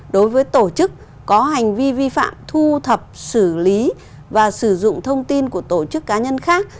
đối với tổ chức có hành vi vi phạm thu thập xử lý và sử dụng thông tin của tổ chức cá nhân khác